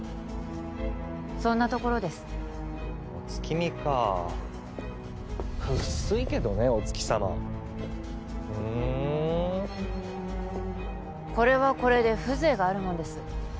そんなところですお月見かうっすいけどねお月様ふーんこれはこれで風情があるもんです